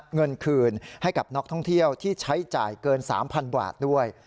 เงินคืนให้กับนักท่องเที่ยวที่ใช้จ่ายเกิน๓๐๐๐บาทด้วย